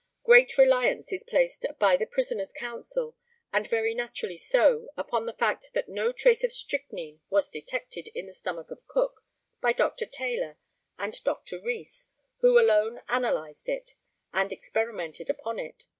Great reliance is placed by the prisoner's counsel, and very naturally so, upon the fact that no trace of strychnine was detected in the stomach of Cook by Dr. Taylor and Dr. Rees, who alone analyzed it and experimented upon it.